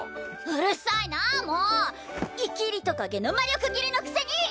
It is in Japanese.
うるさいなあもうイキリトカゲの魔力切れのくせに！